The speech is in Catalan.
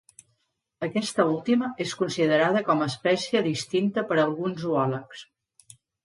Aquesta última és considerada com a espècie distinta per alguns zoòlegs.